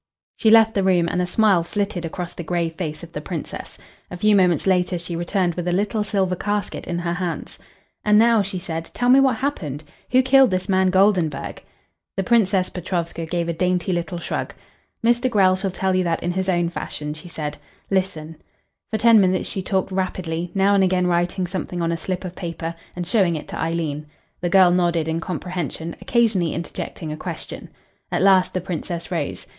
She left the room, and a smile flitted across the grave face of the Princess. A few moments later she returned with a little silver casket in her hands. "And now," she said, "tell me what happened. Who killed this man Goldenburg?" The Princess Petrovska gave a dainty little shrug. "Mr. Grell shall tell you that in his own fashion," she said. "Listen." For ten minutes she talked rapidly, now and again writing something on a slip of paper and showing it to Eileen. The girl nodded in comprehension, occasionally interjecting a question. At last the Princess rose.